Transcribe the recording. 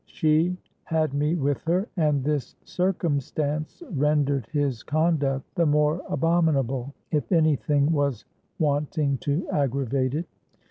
She had me with her; and this circumstance rendered his conduct the more abominable, if any thing was wanting to aggravate it.